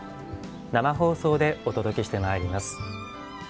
生放送でお届けしてまいります。